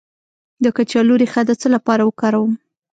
د کچالو ریښه د څه لپاره وکاروم؟